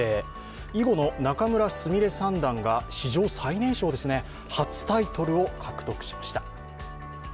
囲碁の仲邑菫三段が史上最年少、初タイトルを獲得しました。